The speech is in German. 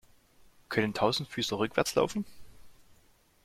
Können Tausendfüßler rückwärts laufen?